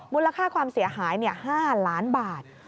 มูลค่าความเสียหาย๕ล้านบาท